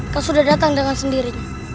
kan sudah datang dengan sendirinya